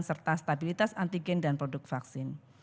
serta stabilitas antigen dan produk vaksin